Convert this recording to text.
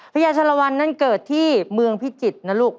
ญาชะละวันนั้นเกิดที่เมืองพิจิตรนะลูก